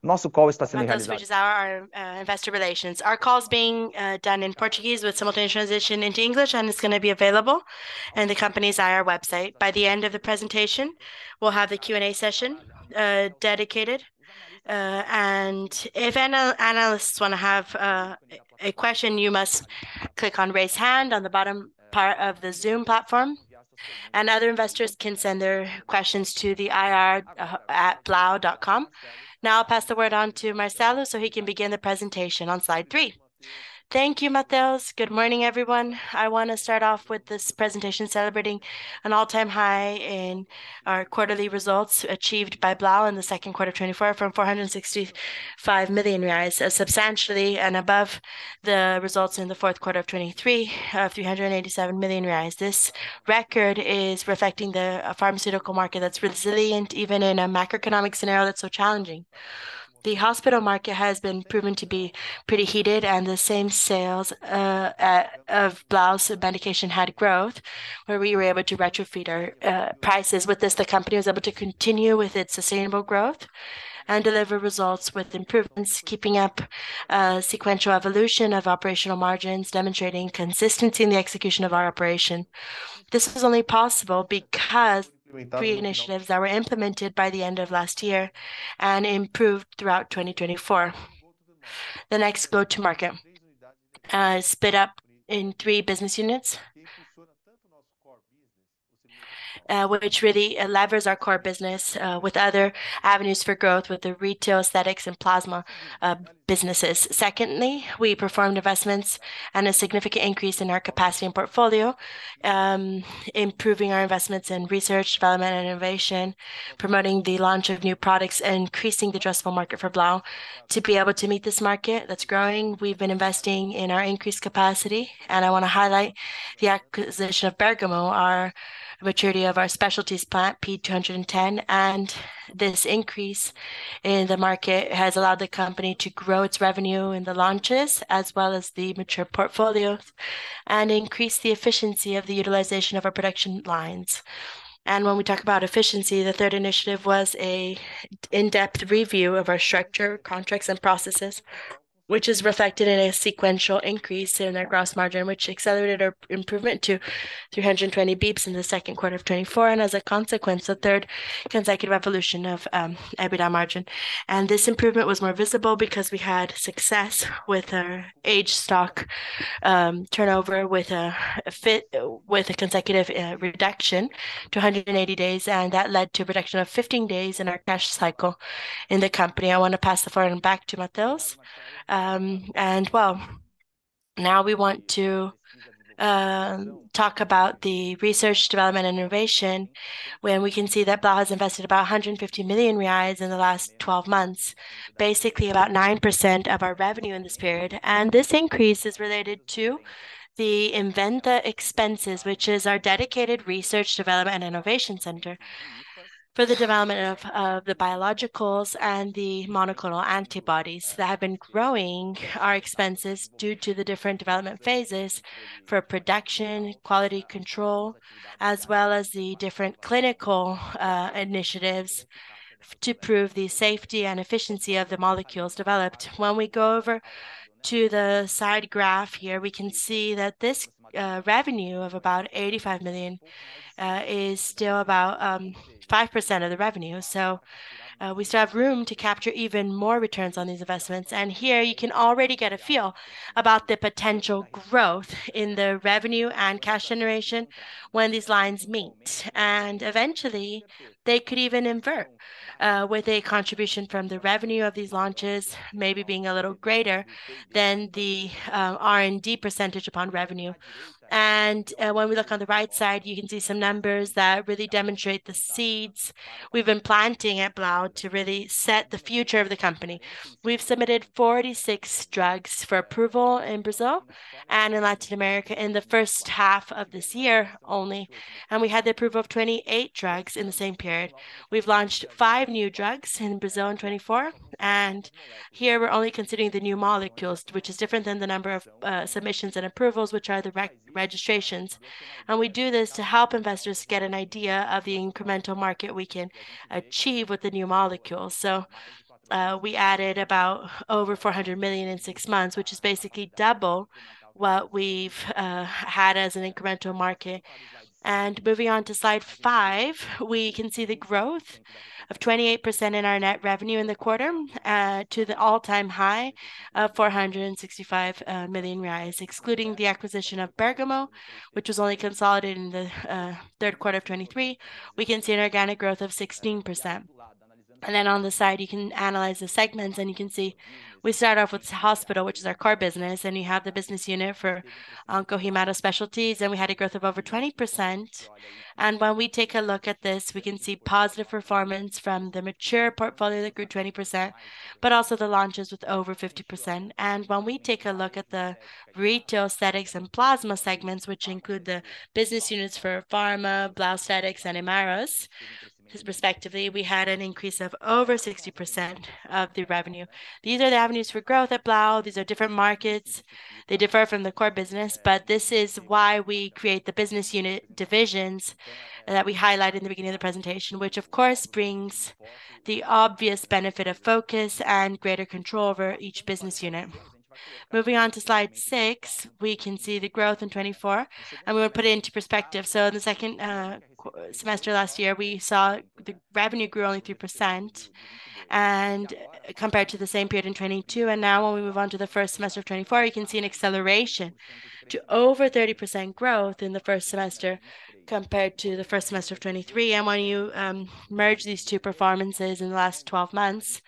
Which is our investor relations. Our call is being done in Portuguese with simultaneous translation into English, and it's going to be available in the company's IR website. By the end of the presentation, we'll have the Q&A session dedicated. And if analysts want to have a question, you must click on raise hand on the bottom part of the Zoom platform, and other investors can send their questions to the ir@blau.com. Now, I'll pass the word on to Marcelo so he can begin the presentation on slide 3. Thank you, Matheus. Good morning, everyone. I want to start off with this presentation celebrating an all-time high in our quarterly results achieved by Blau in the second quarter of 2024 from 465 million reais, substantially and above the results in the fourth quarter of 2023, 387 million reais. This record is reflecting the pharmaceutical market that's resilient, even in a macroeconomic scenario that's so challenging. The hospital market has been proven to be pretty heated, and the same sales of Blau's medication had growth, where we were able to retrofit our prices. With this, the company was able to continue with its sustainable growth and deliver results with improvements, keeping up sequential evolution of operational margins, demonstrating consistency in the execution of our operation. This was only possible because three initiatives that were implemented by the end of last year and improved throughout 2024. The next, go to market, split up in three business units. Which really levers our core business, with other avenues for growth with the retail, aesthetics, and plasma, businesses. Secondly, we performed investments and a significant increase in our capacity and portfolio, improving our investments in research, development, and innovation, promoting the launch of new products, and increasing the addressable market for Blau. To be able to meet this market that's growing, we've been investing in our increased capacity, and I want to highlight the acquisition of Bergamo, our maturity of our specialties plant P210, and this increase in the market has allowed the company to grow its revenue in the launches, as well as the mature portfolios, and increase the efficiency of the utilization of our production lines. And when we talk about efficiency, the third initiative was an in-depth review of our structure, contracts, and processes, which is reflected in a sequential increase in our gross margin, which accelerated our improvement to 320 basis points in the second quarter of 2024, and as a consequence, the third consecutive evolution of EBITDA margin. This improvement was more visible because we had success with our aged stock turnover with a consecutive reduction to 180 days, and that led to a reduction of 15 days in our cash cycle in the company. I want to pass the floor back to Matheus. Well, now we want to talk about the research, development, and innovation, when we can see that Blau has invested about 150 million reais in the last twelve months, basically about 9% of our revenue in this period. This increase is related to the Inventta expenses, which is our dedicated research, development, and innovation center for the development of the biologicals and the monoclonal antibodies that have been growing our expenses due to the different development phases for production, quality control, as well as the different clinical initiatives to prove the safety and efficiency of the molecules developed. When we go over to the side graph here, we can see that this revenue of about 85 million is still about 5% of the revenue. So, we still have room to capture even more returns on these investments. And here you can already get a feel about the potential growth in the revenue and cash generation when these lines meet. Eventually, they could even invert with a contribution from the revenue of these launches, maybe being a little greater than the R&D percentage upon revenue. When we look on the right side, you can see some numbers that really demonstrate the seeds we've been planting at Blau to really set the future of the company. We've submitted 46 drugs for approval in Brazil and in Latin America in the first half of this year only, and we had the approval of 28 drugs in the same period. We've launched five new drugs in Brazil in 2024, and here we're only considering the new molecules, which is different than the number of submissions and approvals, which are the re-registrations. We do this to help investors get an idea of the incremental market we can achieve with the new molecules. So, we added about over 400 million in six months, which is basically double what we've had as an incremental market. Moving on to slide 5, we can see the growth of 28% in our net revenue in the quarter to the all-time high of 465 million reais, excluding the acquisition of Bergamo, which was only consolidated in the third quarter of 2023. We can see an organic growth of 16%. Then on the side, you can analyze the segments, and you can see we start off with hospital, which is our core business, and you have the business unit for Onco-Hemato Specialties, and we had a growth of over 20%. When we take a look at this, we can see positive performance from the mature portfolio that grew 20%, but also the launches with over 50%. When we take a look at the retail aesthetics and plasma segments, which include the business units for Pharma, Blau Aesthetics, and Hemarus, respectively, we had an increase of over 60% of the revenue. These are the avenues for growth at Blau. These are different markets. They differ from the core business, but this is why we create the business unit divisions that we highlighted in the beginning of the presentation, which of course brings the obvious benefit of focus and greater control over each business unit. Moving on to slide six, we can see the growth in 2024, and we'll put it into perspective. So in the second semester last year, we saw the revenue grew only 3% compared to the same period in 2022. Now when we move on to the first semester of 2024, you can see an acceleration to over 30% growth in the first semester compared to the first semester of 2023. When you merge these two performances in the last twelve months,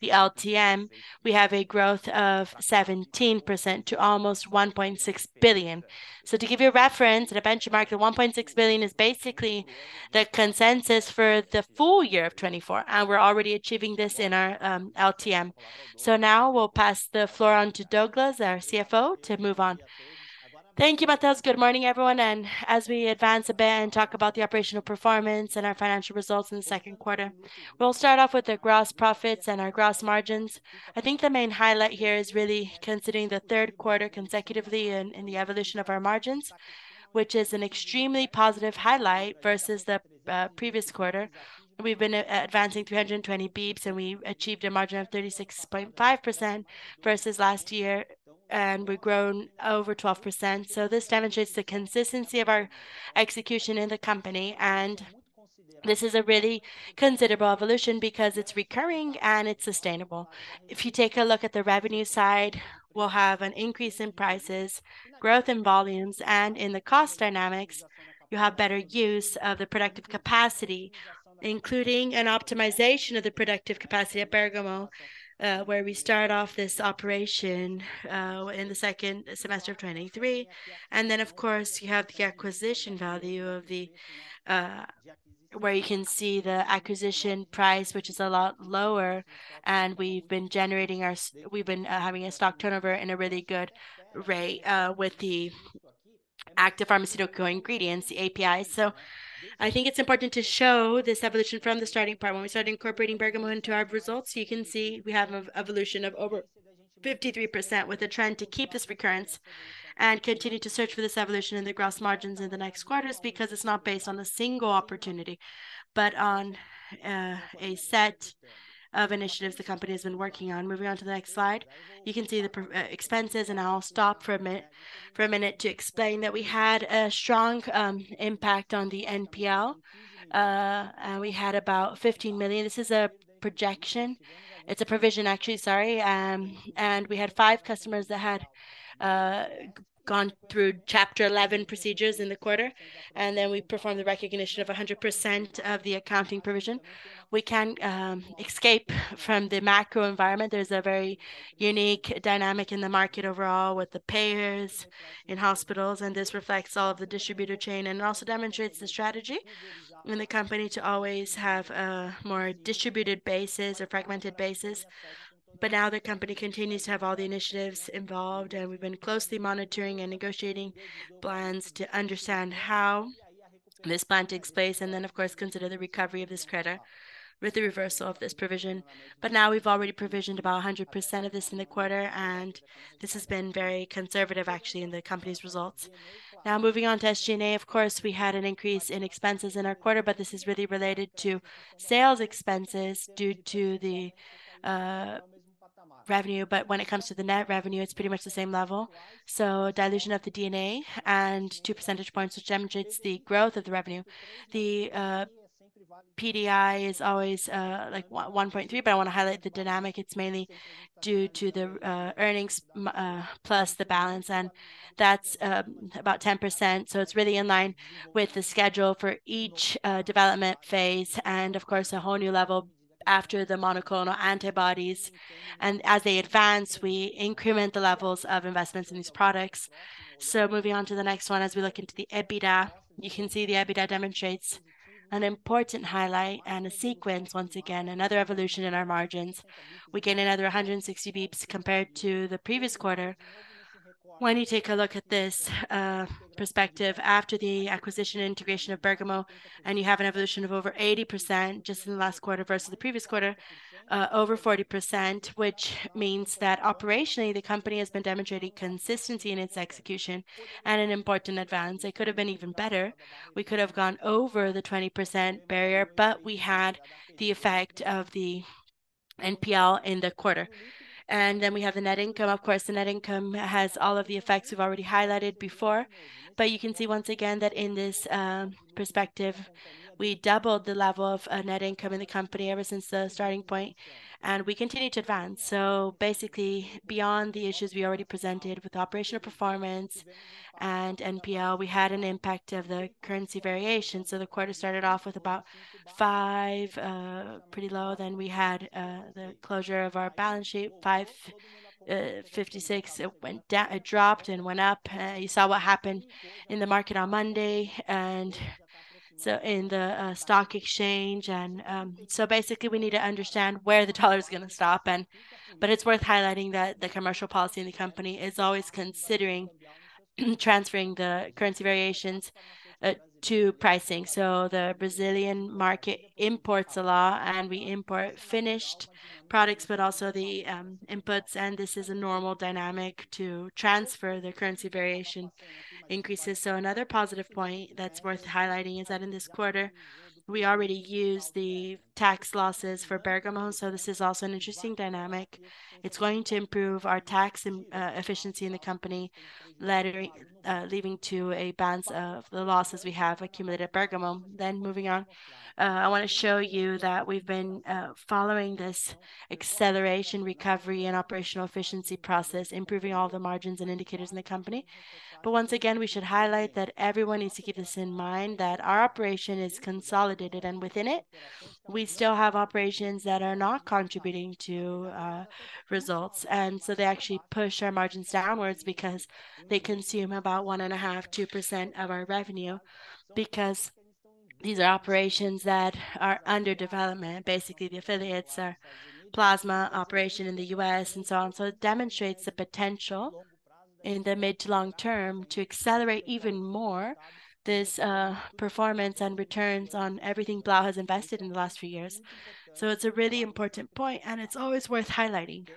the LTM, we have a growth of 17% to almost 1.6 billion. So to give you a reference and a benchmark, the 1.6 billion is basically the consensus for the full year of 2024, and we're already achieving this in our LTM. So now we'll pass the floor on to Douglas, our CFO, to move on. Thank you, Matheus. Good morning, everyone, and as we advance a bit and talk about the operational performance and our financial results in the second quarter, we'll start off with the gross profits and our gross margins. I think the main highlight here is really considering the third quarter consecutively in the evolution of our margins, which is an extremely positive highlight versus the previous quarter. We've been advancing 320 bps, and we achieved a margin of 36.5% versus last year, and we've grown over 12%. So this demonstrates the consistency of our execution in the company, and this is a really considerable evolution because it's recurring and it's sustainable. If you take a look at the revenue side, we'll have an increase in prices, growth in volumes, and in the cost dynamics, you have better use of the productive capacity, including an optimization of the productive capacity at Bergamo, where we start off this operation in the second semester of 2023. And then, of course, you have the acquisition value of the, where you can see the acquisition price, which is a lot lower, and we've been having a stock turnover in a really good rate with the active pharmaceutical ingredients, the API. So I think it's important to show this evolution from the starting part. When we started incorporating Bergamo into our results, you can see we have a evolution of over 53%, with a trend to keep this recurrence and continue to search for this evolution in the gross margins in the next quarters, because it's not based on a single opportunity, but on, a set of initiatives the company has been working on. Moving on to the next slide, you can see the expenses, and I'll stop for a minute to explain that we had a strong impact on the NPL, and we had about 15 million. This is a projection. It's a provision, actually, sorry. And we had 5 customers that had gone through Chapter 11 procedures in the quarter, and then we performed the recognition of 100% of the accounting provision. We can escape from the macro environment. There's a very unique dynamic in the market overall with the payers in hospitals, and this reflects all of the distributor chain, and it also demonstrates the strategy in the company to always have a more distributed basis or fragmented basis. But now the company continues to have all the initiatives involved, and we've been closely monitoring and negotiating plans to understand how this plan takes place, and then, of course, consider the recovery of this credit with the reversal of this provision. But now we've already provisioned about 100% of this in the quarter, and this has been very conservative, actually, in the company's results. Now, moving on to SG&A, of course, we had an increase in expenses in our quarter, but this is really related to sales expenses due to the revenue. But when it comes to the net revenue, it's pretty much the same level. So dilution of the G&A and 2 percentage points, which demonstrates the growth of the revenue. The PD&I is always like 1.3, but I want to highlight the dynamic. It's mainly due to the earnings plus the balance, and that's about 10%. So it's really in line with the schedule for each development phase and of course, a whole new level after the monoclonal antibodies. And as they advance, we increment the levels of investments in these products. So moving on to the next one, as we look into the EBITDA, you can see the EBITDA demonstrates an important highlight and a sequence, once again, another evolution in our margins. We gain another 160 basis points compared to the previous quarter. When you take a look at this, perspective after the acquisition and integration of Bergamo, and you have an evolution of over 80% just in the last quarter versus the previous quarter, over 40%, which means that operationally, the company has been demonstrating consistency in its execution and an important advance. It could have been even better. We could have gone over the 20% barrier, but we had the effect of the NPL in the quarter. And then we have the net income. Of course, the net income has all of the effects we've already highlighted before. But you can see once again that in this, perspective, we doubled the level of net income in the company ever since the starting point, and we continue to advance. So basically, beyond the issues we already presented with operational performance and NPL, we had an impact of the currency variation. So the quarter started off with about 5, pretty low. Then we had the closure of our balance sheet, 5.56. It went down—it dropped and went up. You saw what happened in the market on Monday, and so in the stock exchange. And so basically, we need to understand where the dollar is gonna stop. But it's worth highlighting that the commercial policy in the company is always considering transferring the currency variations to pricing. So the Brazilian market imports a lot, and we import finished products, but also the inputs, and this is a normal dynamic to transfer the currency variation increases. So another positive point that's worth highlighting is that in this quarter, we already used the tax losses for Bergamo, so this is also an interesting dynamic. It's going to improve our tax and, efficiency in the company, latter- leading to a balance of the losses we have accumulated at Bergamo. Then moving on, I want to show you that we've been, following this acceleration, recovery, and operational efficiency process, improving all the margins and indicators in the company. But once again, we should highlight that everyone needs to keep this in mind, that our operation is consolidated, and within it, we still have operations that are not contributing to, results. And so they actually push our margins downwards because they consume about 1.5%-2% of our revenue, because these are operations that are under development. Basically, the affiliates are plasma operation in the U.S. and so on. So it demonstrates the potential in the mid to long term to accelerate even more this performance and returns on everything Blau has invested in the last few years. So it's a really important point, and it's always worth highlighting.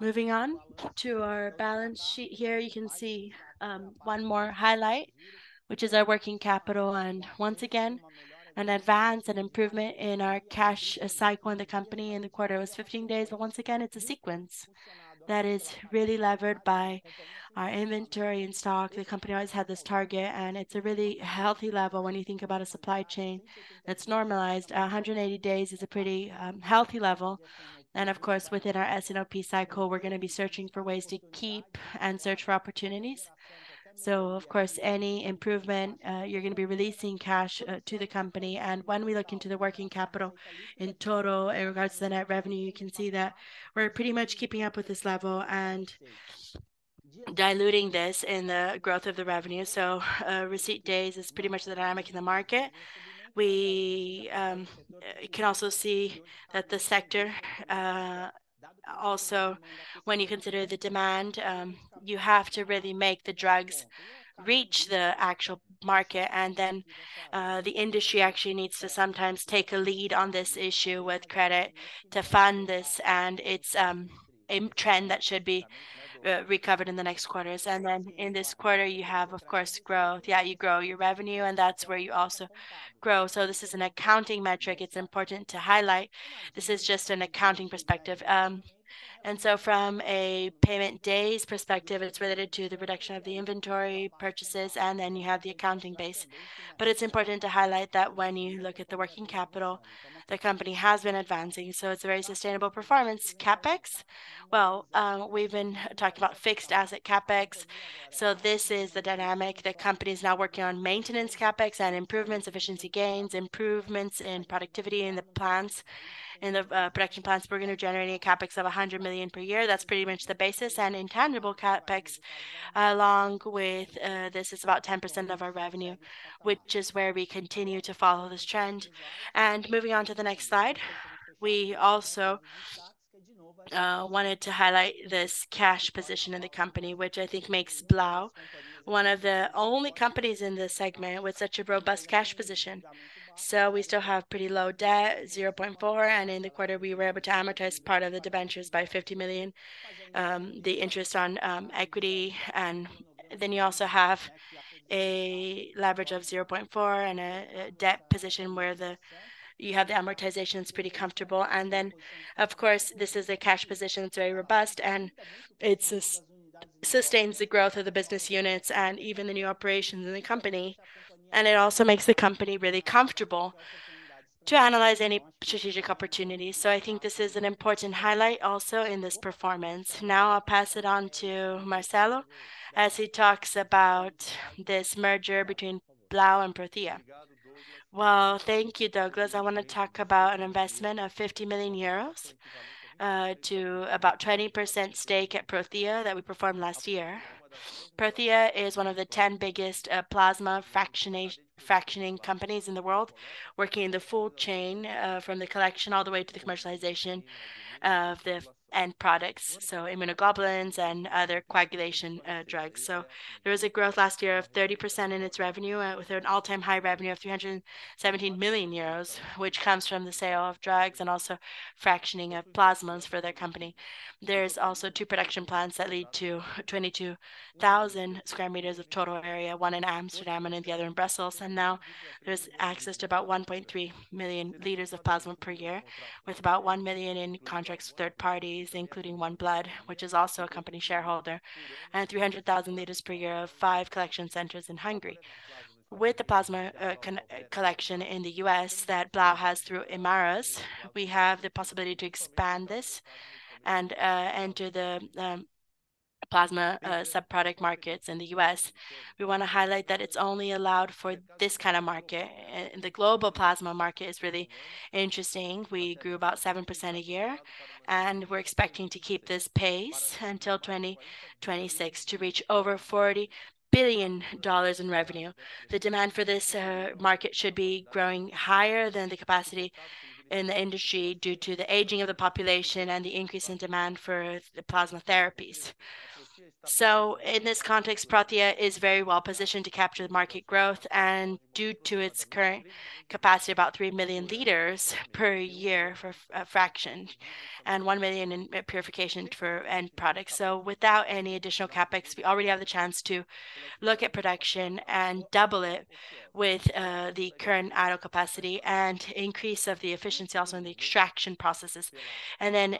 Moving on to our balance sheet. Here you can see one more highlight, which is our working capital, and once again, an advance and improvement in our cash cycle in the company. In the quarter, it was 15 days. But once again, it's a sequence that is really levered by our inventory and stock. The company always had this target, and it's a really healthy level when you think about a supply chain that's normalized. 180 days is a pretty healthy level. Of course, within our S&OP cycle, we're going to be searching for ways to keep and search for opportunities. So of course, any improvement, you're going to be releasing cash to the company. And when we look into the working capital in total, in regards to the net revenue, you can see that we're pretty much keeping up with this level and diluting this in the growth of the revenue. So, receipt days is pretty much the dynamic in the market. We can also see that the sector. Also, when you consider the demand, you have to really make the drugs reach the actual market, and then, the industry actually needs to sometimes take a lead on this issue with credit to fund this, and it's a trend that should be recovered in the next quarters. And then in this quarter, you have, of course, growth. Yeah, you grow your revenue, and that's where you also grow. So this is an accounting metric. It's important to highlight. This is just an accounting perspective. And so from a payment days perspective, it's related to the reduction of the inventory purchases, and then you have the accounting base. But it's important to highlight that when you look at the working capital, the company has been advancing, so it's a very sustainable performance. CapEx, well, we've been talking about fixed asset CapEx, so this is the dynamic. The company is now working on maintenance CapEx and improvements, efficiency gains, improvements in productivity in the plants, in the production plants. We're going to generate a CapEx of 100 million per year. That's pretty much the basis. In tangible CapEx, along with, this is about 10% of our revenue, which is where we continue to follow this trend. Moving on to the next slide, we also wanted to highlight this cash position in the company, which I think makes Blau one of the only companies in this segment with such a robust cash position. So we still have pretty low debt, 0.4, and in the quarter, we were able to amortize part of the debentures by 50 million, the interest on equity. Then you also have a leverage of 0.4 and a debt position where the amortization is pretty comfortable. And then, of course, this is a cash position that's very robust, and it sustains the growth of the business units and even the new operations in the company, and it also makes the company really comfortable to analyze any strategic opportunities. So I think this is an important highlight also in this performance. Now, I'll pass it on to Marcelo as he talks about this merger between Blau and Prothya. Well, thank you, Douglas. I want to talk about an investment of 50 million euros to about 20% stake at Prothya that we performed last year. Prothya is one of the 10 biggest plasma fractioning companies in the world, working in the full chain from the collection all the way to the commercialization of the end products, so immunoglobulins and other coagulation drugs. So there was a growth last year of 30% in its revenue, with an all-time high revenue of 317 million euros, which comes from the sale of drugs and also fractioning of plasmas for their company. There's also two production plants that lead to 22,000 square meters of total area, one in Amsterdam and the other in Brussels. Now there's access to about 1.3 million liters of plasma per year, with about 1 million in contracts with third parties, including OneBlood, which is also a company shareholder, and 300,000 liters per year of 5 collection centers in Hungary. With the plasma collection in the US that Blau has through Hemarus, we have the possibility to expand this and enter the a plasma sub-product markets in the U.S. We want to highlight that it's only allowed for this kind of market. The global plasma market is really interesting. We grew about 7% a year, and we're expecting to keep this pace until 2026 to reach over $40 billion in revenue. The demand for this market should be growing higher than the capacity in the industry due to the aging of the population and the increase in demand for the plasma therapies. So in this context, Prothya is very well positioned to capture the market growth, and due to its current capacity, about 3 million liters per year for fraction and 1 million in purification for end products. So without any additional CapEx, we already have the chance to look at production and double it with the current idle capacity and increase of the efficiency also in the extraction processes. And then,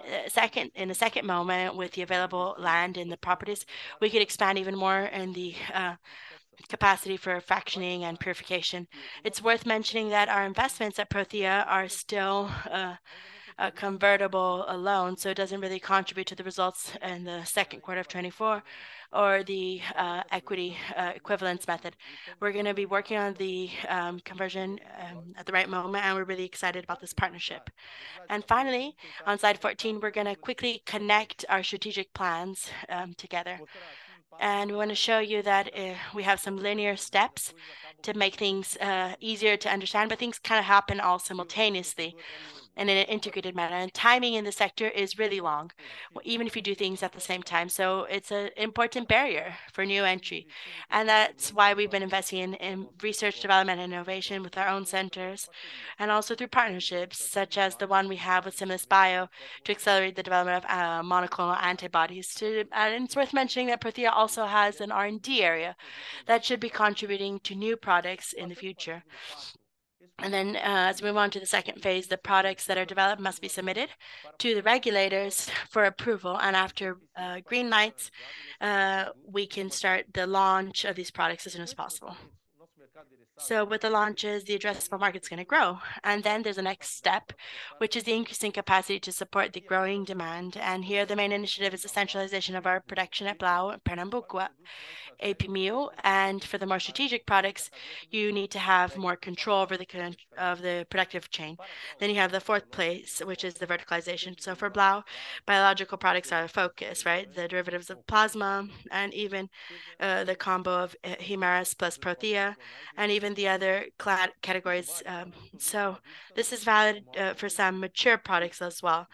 in the second moment, with the available land and the properties, we could expand even more in the capacity for fractionation and purification. It's worth mentioning that our investments at Prothya are still a convertible loan, so it doesn't really contribute to the results in the second quarter of 2024 or the equity equivalence method. We're going to be working on the conversion at the right moment, and we're really excited about this partnership. And finally, on slide 14, we're going to quickly connect our strategic plans together. And we want to show you that we have some linear steps to make things easier to understand, but things kind of happen all simultaneously and in an integrated manner. And timing in the sector is really long, even if you do things at the same time. So it's an important barrier for new entry, and that's why we've been investing in, in research, development, and innovation with our own centers, and also through partnerships, such as the one we have with Similis Bio, to accelerate the development of monoclonal antibodies. And it's worth mentioning that Prothya also has an R&D area that should be contributing to new products in the future. And then, as we move on to the second phase, the products that are developed must be submitted to the regulators for approval, and after green lights, we can start the launch of these products as soon as possible. So with the launches, the addressable market is going to grow, and then there's the next step, which is the increasing capacity to support the growing demand. Here, the main initiative is the centralization of our production at Blau, Pernambuco, API. For the more strategic products, you need to have more control over the control of the productive chain. Then you have the fourth place, which is the verticalization. So for Blau, biological products are a focus, right? The derivatives of plasma and even the combo of Hemarus plus Prothya and even the other categories. So this is valid for some mature products as well,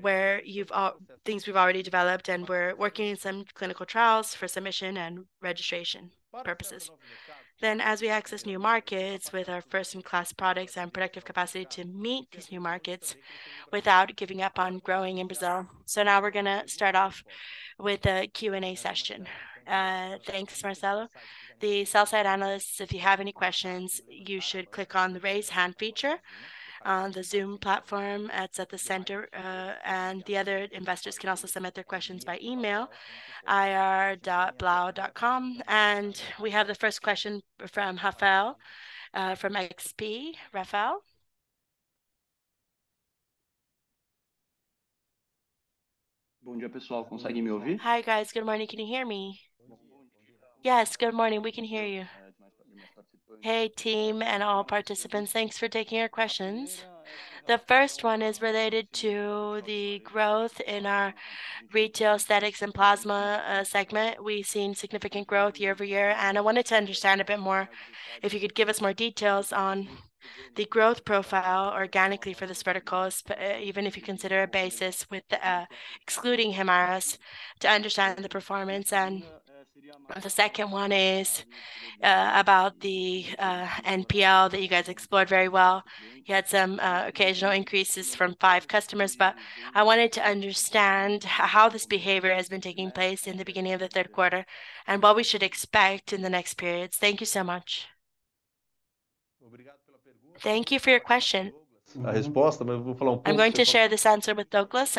where we have things we've already developed and we're working in some clinical trials for submission and registration purposes. Then, as we access new markets with our first-in-class products and productive capacity to meet these new markets without giving up on growing in Brazil. So now we're going to start off with a Q&A session. Thanks, Marcelo. The sell-side analysts, if you have any questions, you should click on the Raise Hand feature on the Zoom platform. It's at the center, and the other investors can also submit their questions by email, ir@blau.com. And we have the first question from Rafael, from XP. Rafael? Hi, guys. Good morning. Can you hear me? Yes, good morning. We can hear you. Hey, team and all participants. Thanks for taking our questions. The first one is related to the growth in our retail, aesthetics, and plasma segment. We've seen significant growth year-over-year, and I wanted to understand a bit more, if you could give us more details on the growth profile organically for this verticals, even if you consider a basis with the, excluding Hemarus, to understand the performance. The second one is about the NPL that you guys explored very well. You had some occasional increases from five customers, but I wanted to understand how this behavior has been taking place in the beginning of the third quarter and what we should expect in the next periods. Thank you so much. Thank you for your question. I'm going to share this answer with Douglas,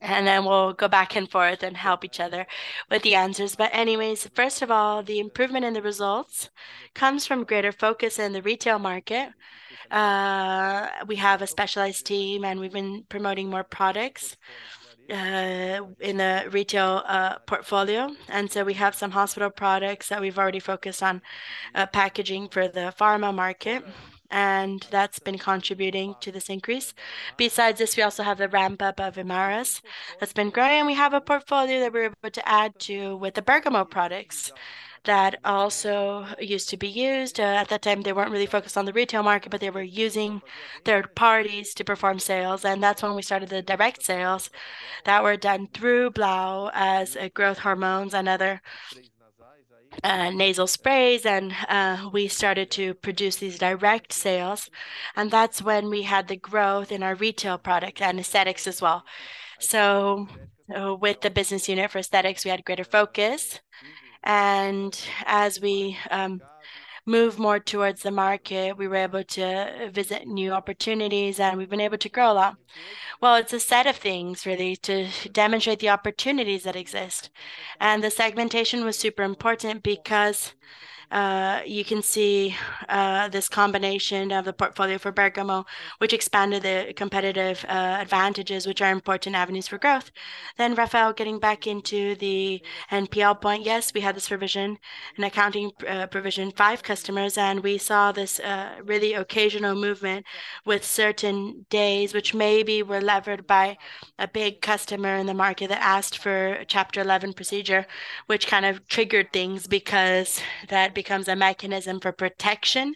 and then we'll go back and forth and help each other with the answers. But anyways, first of all, the improvement in the results comes from greater focus in the retail market. We have a specialized team, and we've been promoting more products in the retail portfolio. And so we have some hospital products that we've already focused on packaging for the pharma market, and that's been contributing to this increase. Besides this, we also have the ramp-up of Hemarus that's been growing, and we have a portfolio that we're able to add to with the Bergamo products that also used to be used. At that time, they weren't really focused on the retail market, but they were using third parties to perform sales, and that's when we started the direct sales that were done through Blau as growth hormones and other, nasal sprays. And, we started to produce these direct sales, and that's when we had the growth in our retail product and aesthetics as well. So, with the business unit for aesthetics, we had greater focus, and as we move more towards the market. We were able to visit new opportunities, and we've been able to grow a lot. Well, it's a set of things really, to demonstrate the opportunities that exist. And the segmentation was super important because, you can see, this combination of the portfolio for Bergamo, which expanded the competitive, advantages which are important avenues for growth. Then, Rafael, getting back into the NPL point, yes, we had this provision, an accounting provision, 5 customers, and we saw this, really occasional movement with certain days, which maybe were levered by a big customer in the market that asked for Chapter 11 procedure, which kind of triggered things, because that becomes a mechanism for protection,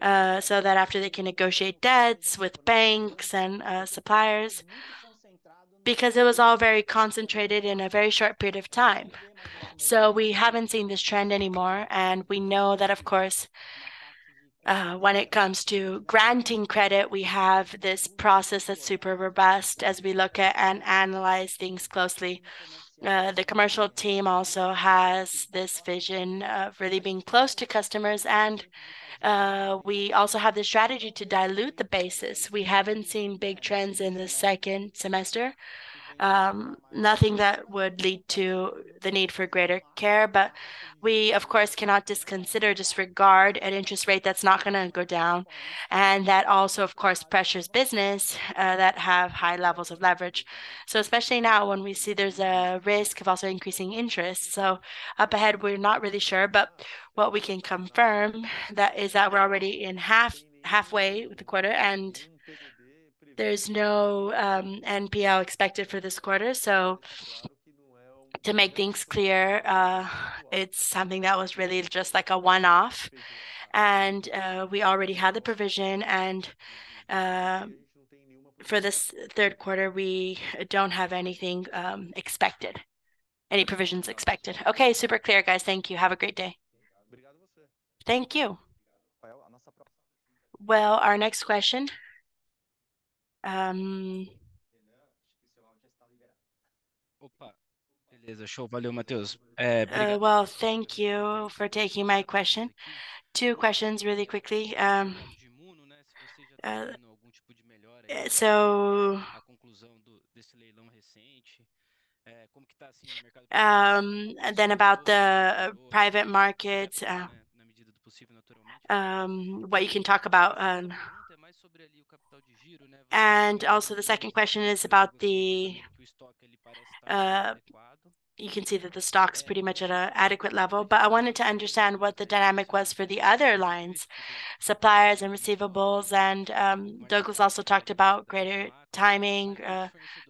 so that after they can negotiate debts with banks and, suppliers. Because it was all very concentrated in a very short period of time. So we haven't seen this trend anymore, and we know that, of course, when it comes to granting credit, we have this process that's super robust as we look at and analyze things closely. The commercial team also has this vision of really being close to customers, and we also have the strategy to dilute the basis. We haven't seen big trends in the second semester. Nothing that would lead to the need for greater care, but we, of course, cannot just consider, disregard an interest rate that's not gonna go down, and that also, of course, pressures business that have high levels of leverage. So especially now, when we see there's a risk of also increasing interest, so up ahead, we're not really sure, but what we can confirm is that we're already halfway with the quarter, and there's no NPL expected for this quarter. So to make things clear, it's something that was really just like a one-off, and we already had the provision, and for this third quarter, we don't have anything expected. Any provisions expected. Okay, super clear, guys. Thank you. Have a great day. Thank you. Well, our next question... Well, thank you for taking my question. Two questions really quickly, so... Then about the private market, what you can talk about. And also the second question is about the, you can see that the stock's pretty much at an adequate level, but I wanted to understand what the dynamic was for the other lines, suppliers and receivables, and Douglas also talked about greater timing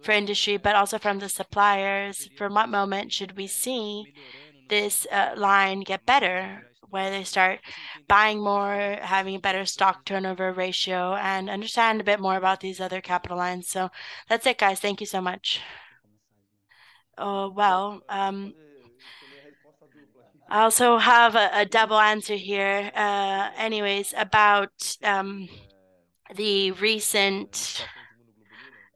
for industry, but also from the suppliers. From what moment should we see this line get better, where they start buying more, having better stock turnover ratio, and understand a bit more about these other capital lines? So that's it, guys. Thank you so much. Oh, well, I also have a double answer here. Anyways, about the recent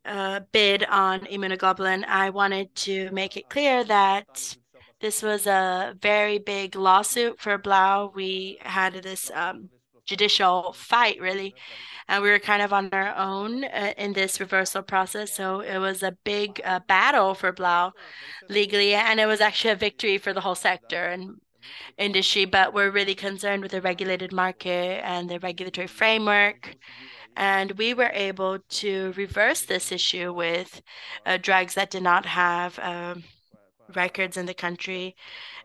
bid on immunoglobulin, I wanted to make it clear that this was a very big lawsuit for Blau. We had this judicial fight, really, and we were kind of on our own in this reversal process, so it was a big battle for Blau legally, and it was actually a victory for the whole sector and industry. But we're really concerned with the regulated market and the regulatory framework, and we were able to reverse this issue with drugs that did not have records in the country.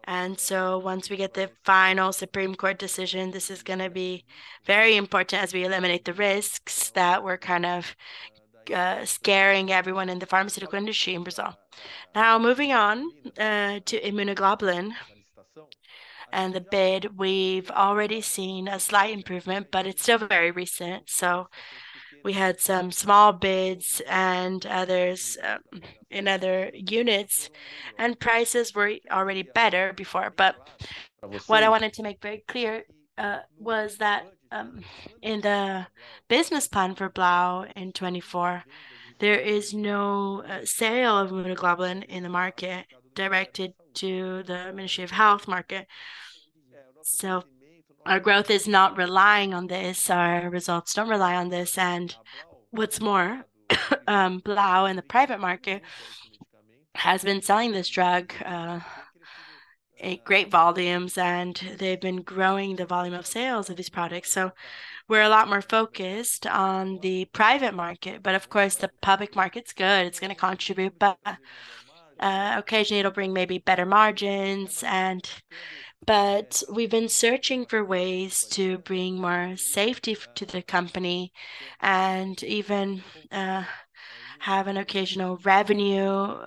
And so once we get the final Supreme Court decision, this is gonna be very important as we eliminate the risks that were kind of scaring everyone in the pharmaceutical industry in Brazil. Now, moving on to immunoglobulin and the bid, we've already seen a slight improvement, but it's still very recent. So we had some small bids and others in other units, and prices were already better before. But what I wanted to make very clear was that, in the business plan for Blau in 2024, there is no sale of immunoglobulin in the market directed to the Ministry of Health market. So our growth is not relying on this, our results don't rely on this. And what's more, Blau in the private market has been selling this drug in great volumes, and they've been growing the volume of sales of these products. So we're a lot more focused on the private market, but of course, the public market's good, it's gonna contribute, but occasionally it'll bring maybe better margins and... But we've been searching for ways to bring more safety to the company and even have an occasional revenue...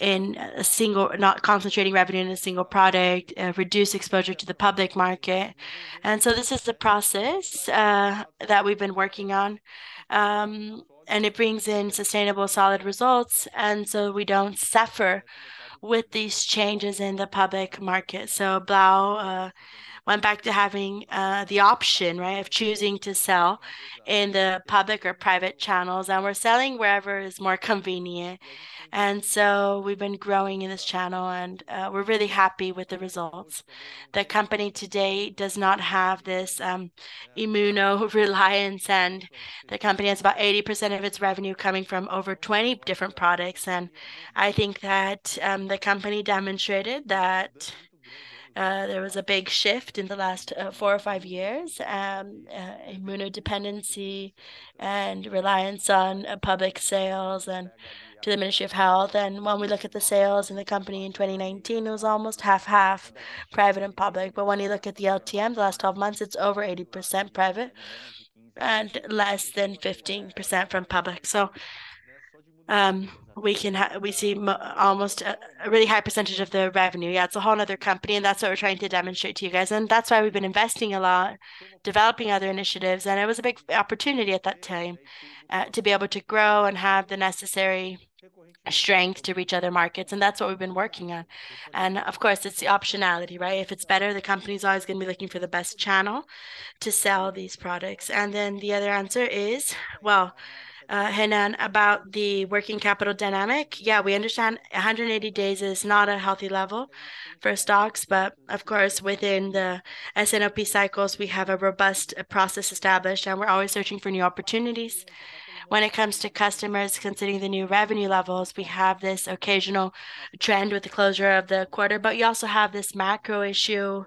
not concentrating revenue in a single product, reduce exposure to the public market. This is the process that we've been working on, and it brings in sustainable, solid results, and so we don't suffer with these changes in the public market. So Blau went back to having the option, right, of choosing to sell in the public or private channels, and we're selling wherever is more convenient. And so we've been growing in this channel and we're really happy with the results. The company today does not have this immuno reliance, and the company has about 80% of its revenue coming from over 20 different products, and I think that the company demonstrated that there was a big shift in the last 4 or 5 years, immuno dependency and reliance on public sales and to the Ministry of Health. When we look at the sales in the company in 2019, it was almost 50/50, private and public, but when you look at the LTM, the last 12 months, it's over 80% private and less than 15% from public. So, we can see almost a really high percentage of the revenue. Yeah, it's a whole another company, and that's what we're trying to demonstrate to you guys. And that's why we've been investing a lot, developing other initiatives, and it was a big opportunity at that time, to be able to grow and have the necessary strength to reach other markets, and that's what we've been working on. And of course, it's the optionality, right? If it's better, the company's always gonna be looking for the best channel to sell these products. Then the other answer is, well, Renan, about the working capital dynamic, yeah, we understand 180 days is not a healthy level for stocks, but of course, within the S&OP cycles, we have a robust process established, and we're always searching for new opportunities. When it comes to customers considering the new revenue levels, we have this occasional trend with the closure of the quarter, but you also have this macro issue,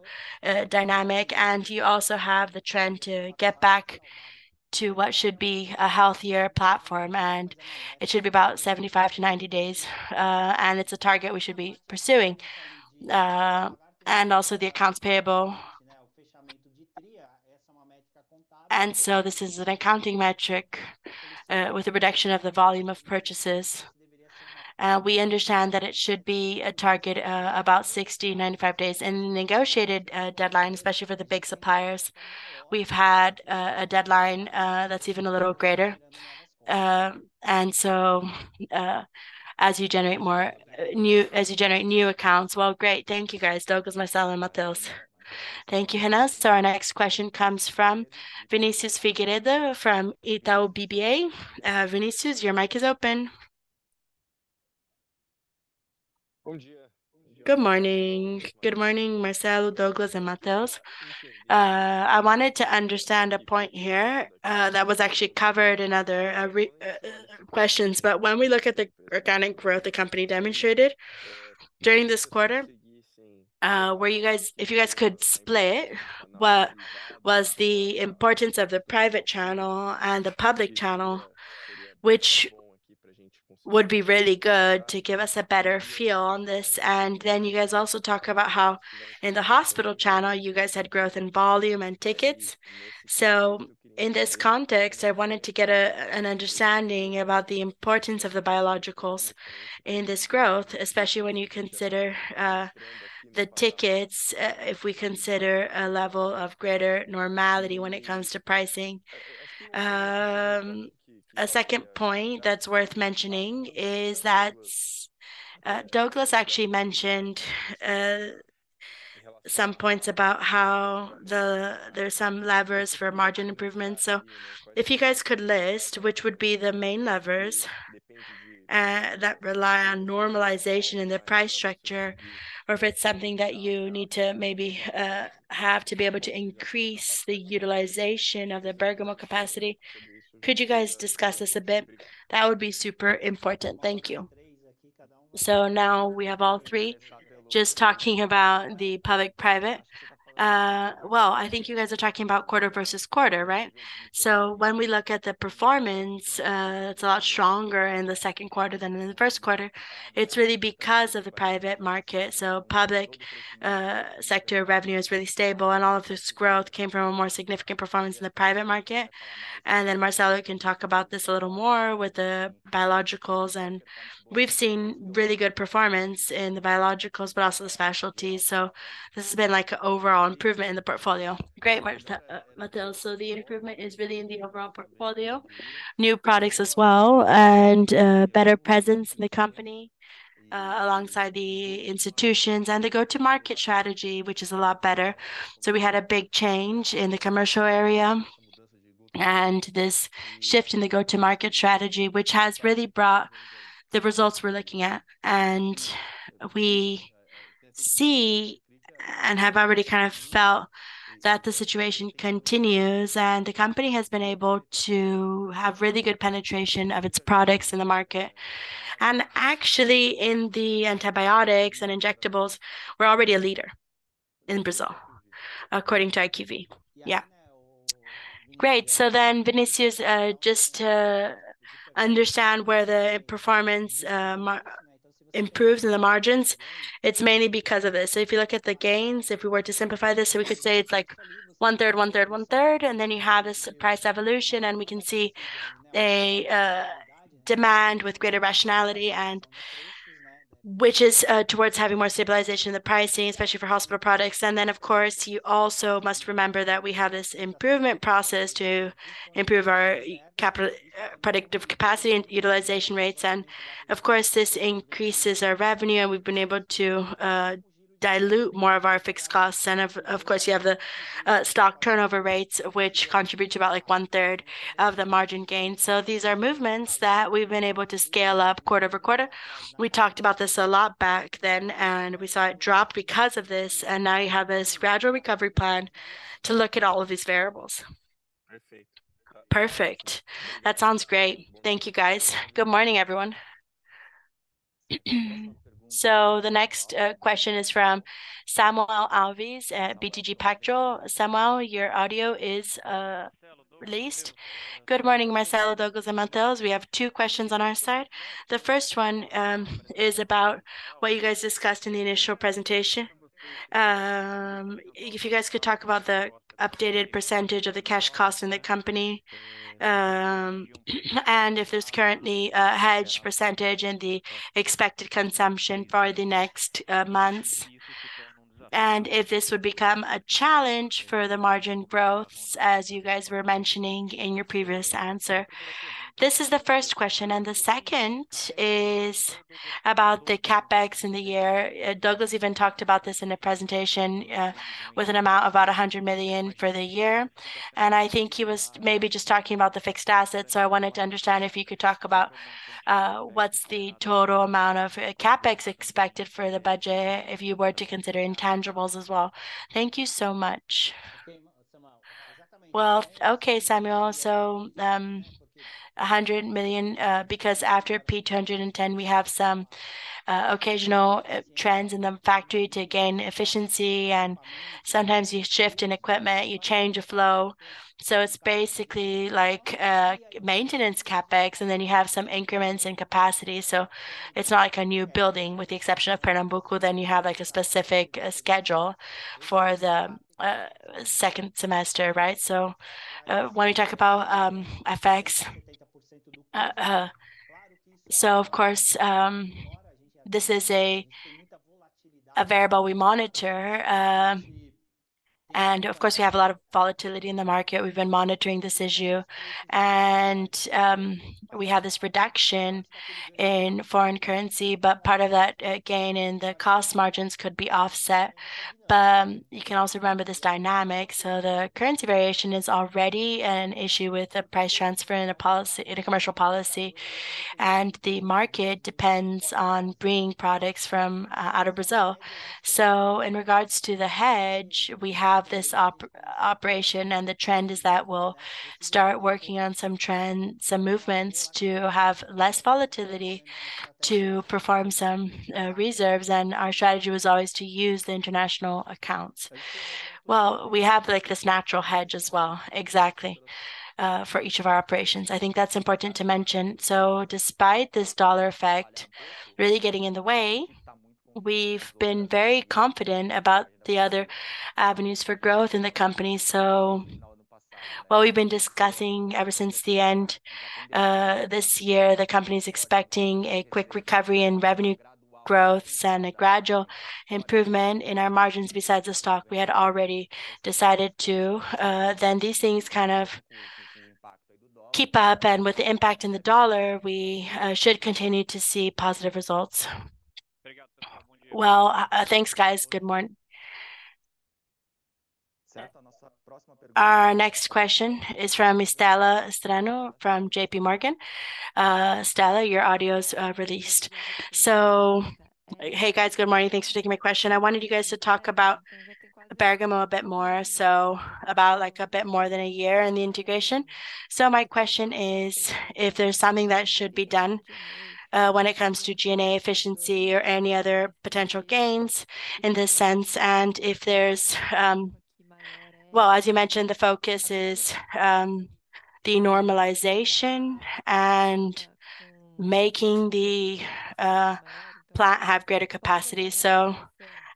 dynamic, and you also have the trend to get back to what should be a healthier platform, and it should be about 75 days-90 days, and it's a target we should be pursuing. Also the accounts payable. So this is an accounting metric, with a reduction of the volume of purchases. We understand that it should be a target about 60 days-95 days, and negotiated deadline, especially for the big suppliers. We've had a deadline that's even a little greater. And so, as you generate more, as you generate new accounts... Well, great. Thank you, guys. Douglas, Marcelo, and Matheus. Thank you, Renan. So our next question comes from Vinicius Figueiredo from Itaú BBA. Vinicius, your mic is open. Good morning. Good morning, Marcelo, Douglas, and Matheus. I wanted to understand a point here, that was actually covered in other questions, but when we look at the organic growth the company demonstrated during this quarter, were you guys, if you guys could split what was the importance of the private channel and the public channel, which would be really good to give us a better feel on this. And then you guys also talk about how in the hospital channel, you guys had growth in volume and tickets. So in this context, I wanted to get an understanding about the importance of the biologicals in this growth, especially when you consider the tickets, if we consider a level of greater normality when it comes to pricing. A second point that's worth mentioning is that, Douglas actually mentioned, some points about how there are some levers for margin improvement. So if you guys could list, which would be the main levers, that rely on normalization in the price structure, or if it's something that you need to maybe, have to be able to increase the utilization of the Bergamo capacity. Could you guys discuss this a bit? That would be super important. Thank you. So now we have all three just talking about the public/private. Well, I think you guys are talking about quarter versus quarter, right? So when we look at the performance, it's a lot stronger in the second quarter than in the first quarter. It's really because of the private market. So public sector revenue is really stable, and all of this growth came from a more significant performance in the private market. And then Marcelo can talk about this a little more with the biologicals, and we've seen really good performance in the biologicals, but also the specialties. So this has been like an overall improvement in the portfolio. Great, Matheus. So the improvement is really in the overall portfolio, new products as well, and better presence in the company, alongside the institutions and the go-to-market strategy, which is a lot better. So we had a big change in the commercial area, and this shift in the go-to-market strategy, which has really brought the results we're looking at. We see, and have already kind of felt that the situation continues, and the company has been able to have really good penetration of its products in the market. Actually, in the antibiotics and injectables, we're already a leader in Brazil, according to IQVIA. Yeah. Great. So then, Vinicius, just to understand where the performance mainly improves in the margins, it's mainly because of this. So if you look at the gains, if we were to simplify this, so we could say it's like one-third, one-third, one-third, and then you have this price evolution, and we can see a demand with greater rationality and which is towards having more stabilization in the pricing, especially for hospital products. And then, of course, you also must remember that we have this improvement process to improve our capital predictive capacity and utilization rates. And of course, this increases our revenue, and we've been able to dilute more of our fixed costs. And of course, you have the stock turnover rates, which contribute to about, like, one third of the margin gain. So these are movements that we've been able to scale up quarter over quarter. We talked about this a lot back then, and we saw it drop because of this, and now you have this gradual recovery plan to look at all of these variables. Perfect. Perfect. That sounds great. Thank you, guys. Good morning, everyone. So the next question is from Samuel Alves at BTG Pactual. Samuel, your audio is released. Good morning, Marcelo, Douglas, and Matheus. We have two questions on our side. The first one is about what you guys discussed in the initial presentation. If you guys could talk about the updated percentage of the cash cost in the company, and if there's currently a hedge percentage in the expected consumption for the next months, and if this would become a challenge for the margin growths, as you guys were mentioning in your previous answer. This is the first question, and the second is about the CapEx in the year. Douglas even talked about this in the presentation, with an amount of about 100 million for the year, and I think he was maybe just talking about the fixed assets. So I wanted to understand if you could talk about what's the total amount of CapEx expected for the budget if you were to consider intangibles as well. Thank you so much. Well, okay, Samuel. So, a hundred million, because after P 210, we have some occasional trends in the factory to gain efficiency, and sometimes you shift in equipment, you change a flow. So it's basically like maintenance CapEx, and then you have some increments in capacity, so it's not like a new building, with the exception of Pernambuco, then you have, like, a specific schedule for the second semester, right? So, when we talk about effects. So of course, this is a variable we monitor. And of course, we have a lot of volatility in the market. We've been monitoring this issue, and we have this reduction in foreign currency, but part of that gain in the cost margins could be offset. But you can also remember this dynamic, so the currency variation is already an issue with the price transfer and the policy, the commercial policy, and the market depends on bringing products from out of Brazil. So in regards to the hedge, we have this operation, and the trend is that we'll start working on some trends, some movements to have less volatility, to perform some reserves, and our strategy was always to use the international accounts. Well, we have, like, this natural hedge as well, exactly for each of our operations. I think that's important to mention. So despite this dollar effect really getting in the way, we've been very confident about the other avenues for growth in the company. So what we've been discussing ever since the end, this year, the company's expecting a quick recovery in revenue growth and a gradual improvement in our margins. Besides, the stock we had already decided to... Then these things kind of keep up, and with the impact in the dollar, we, should continue to see positive results. Well, thanks, guys. Good morn- Our next question is from Estela Strano from JP Morgan. Estella, your audio is released. So hey, guys. Good morning. Thanks for taking my question. I wanted you guys to talk about Bergamo a bit more, so about, like, a bit more than a year in the integration. So my question is, if there's something that should be done, when it comes to G&A efficiency or any other potential gains in this sense, and if there's... Well, as you mentioned, the focus is the normalization and making the plant have greater capacity. So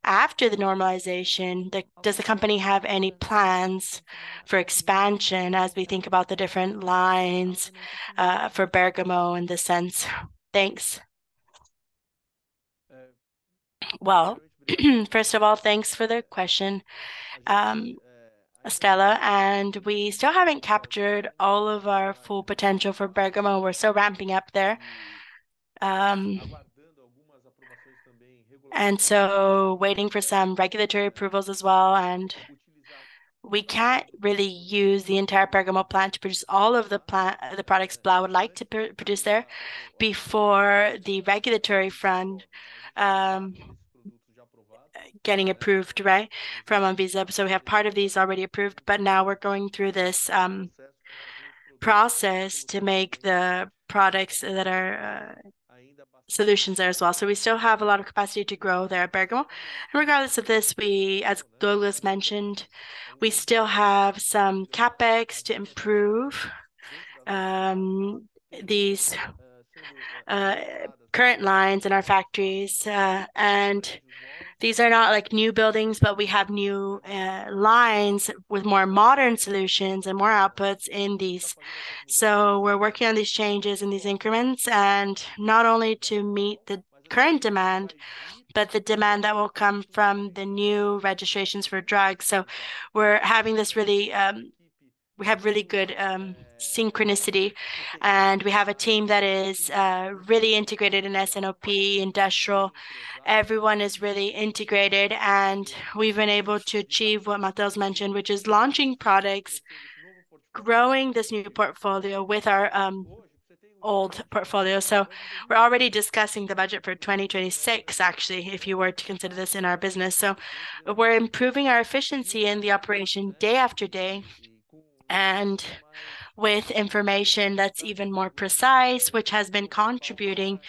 after the normalization, does the company have any plans for expansion as we think about the different lines for Bergamo in this sense? Thanks. Well, first of all, thanks for the question, Estella, and we still haven't captured all of our full potential for Bergamo. We're still ramping up there. And so waiting for some regulatory approvals as well, and we can't really use the entire Bergamo plant to produce all of the plant, the products Blau would like to produce there before the regulatory front, getting approved, right, from Anvisa. So we have part of these already approved, but now we're going through this process to make the products that are solutions there as well. So we still have a lot of capacity to grow there at Bergamo. And regardless of this, we, as Douglas mentioned, we still have some CapEx to improve these current lines in our factories. And these are not like new buildings, but we have new lines with more modern solutions and more outputs in these. So we're working on these changes and these increments, and not only to meet the current demand, but the demand that will come from the new registrations for drugs. So we're having this really. We have really good synchronicity, and we have a team that is really integrated in S&OP, industrial. Everyone is really integrated, and we've been able to achieve what Matheus mentioned, which is launching products, growing this new portfolio with our old portfolio. So we're already discussing the budget for 2026, actually, if you were to consider this in our business. So we're improving our efficiency in the operation day after day, and with information that's even more precise, which has been contributing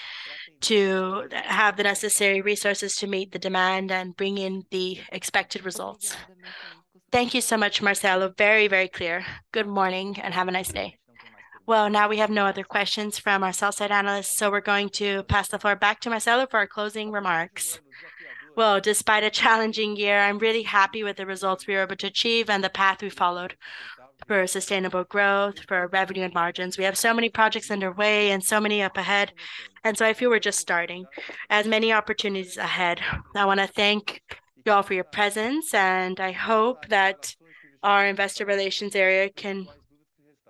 to have the necessary resources to meet the demand and bring in the expected results. Thank you so much, Marcelo. Very, very clear. Good morning, and have a nice day. Well, now we have no other questions from our sell-side analysts, so we're going to pass the floor back to Marcelo for our closing remarks. Well, despite a challenging year, I'm really happy with the results we were able to achieve and the path we followed for sustainable growth, for revenue and margins. We have so many projects underway and so many up ahead, and so I feel we're just starting. As many opportunities ahead, I wanna thank you all for your presence, and I hope that our investor relations area can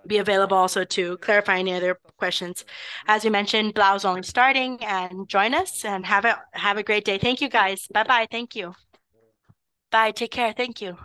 be available also to clarify any other questions. As we mentioned, Blau is only starting, and join us and have a great day. Thank you, guys. Bye-bye. Thank you. Bye. Take care. Thank you.